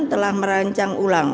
telah merancang ulang